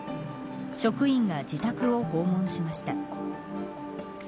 職員が自宅を訪問しました。